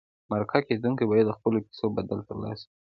مرکه کېدونکي باید د خپلو کیسو بدل ترلاسه کړي.